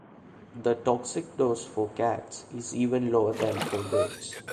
The toxic dose for cats is even lower than for dogs.